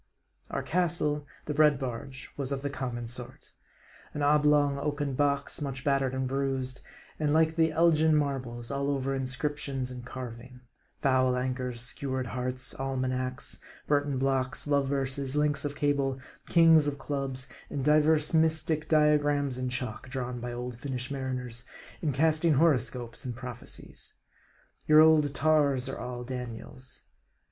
Our castle, the Bread Barge was of the common sort ; an oblong oaken box, much battered and bruised, and like the Elgin Marbles, all over inscriptions and carving : foul anchors, skewered hearts, almanacs, Burton blocks, love verses, links of cable, Kings of Clubs ; and divers mystic diagrams in chalk, drawn by old Finnish mariners, in casting horoscopes and prophecies. Your old tars are all Daniels.